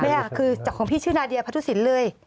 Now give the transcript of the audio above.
คือจากของพี่ชื่อนาเดียพัทุศิลป์เลย